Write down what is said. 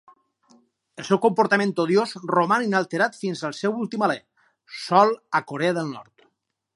El seu comportament odiós roman inalterat fins al seu últim alè, sol a Corea del Nord.